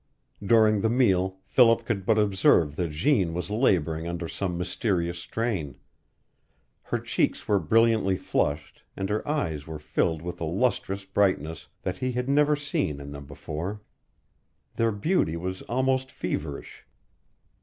During the meal Philip could not but observe that Jeanne was laboring under some mysterious strain. Her cheeks were brilliantly flushed, and her eyes were filled with a lustrous brightness that he had never seen in them before. Their beauty was almost feverish.